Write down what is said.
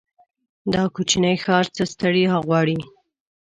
دا کوچينی ښار څه ستړيا غواړي.